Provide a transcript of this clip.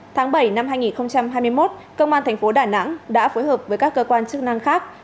tháng bảy năm hai nghìn hai mươi một công an thành phố đà nẵng đã phối hợp với các cơ quan chức năng khác